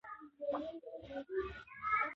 د رحمان بابا اشعار تاریخي او تصوفي ارزښت لري .